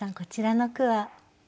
こちらの句は？